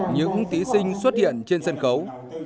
những thí sinh xuất hiện trên sân khấu